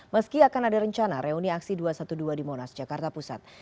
meski akan ada rencana reuni aksi dua ratus dua belas di monas jakarta pusat